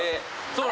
そう。